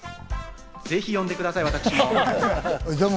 ぜひ呼んでください、私も。